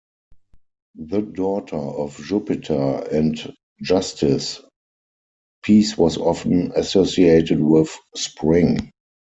The daughter of Jupiter and Justice, Peace was often associated with spring.